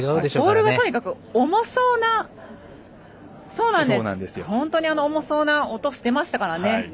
ボールがとにかく重そうな音がしてましたからね。